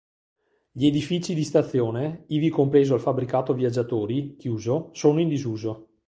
Gli edifici di stazione, ivi compreso il fabbricato viaggiatori, chiuso, sono in disuso.